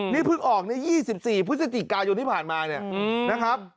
นี่เพิ่งออกใน๒๔พฤศจิกายนที่ผ่านมาเนี่ยนะครับ